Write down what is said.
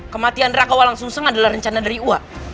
kematian raka walang sungsang adalah rencana dari uak